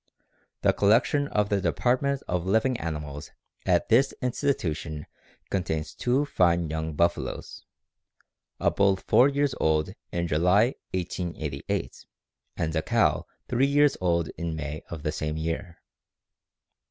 _ The collection of the department of living animals at this institution contains two fine young buffaloes; a bull four years old in July, 1888, and a cow three years old in May of the same year.